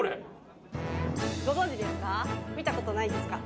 ご存じですか？